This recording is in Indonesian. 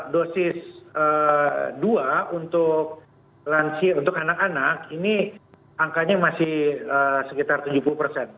dosis dua untuk lansia untuk anak anak ini angkanya masih sekitar tujuh puluh persen